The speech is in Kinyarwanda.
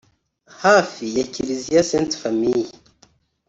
hafi ya Kiliziya Sainte Famille